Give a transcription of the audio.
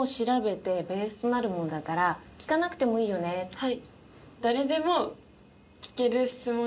はい。